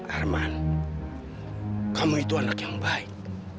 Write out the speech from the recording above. arman kamu itu anak yang baik